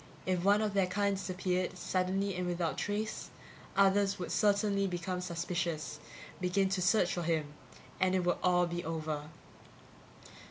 If one of their kind disappeared, suddenly and without trace, others would certainly become suspicious, begin to search for him and it would all be over.